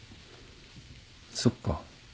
そっか。